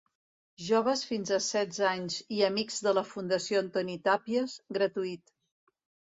Joves fins a setze anys i Amics de la Fundació Antoni Tàpies, gratuït.